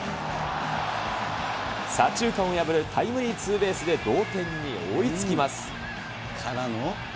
左中間を破るタイムリーツーベースで同点に追いつきます。